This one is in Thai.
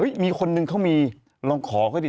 เดี๋ยวนี้อันนี้ไม่ได้มีราคาเลย